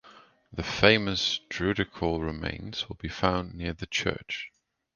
The famous "druidical remains" will be found near the church.